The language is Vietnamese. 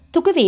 thưa quý vị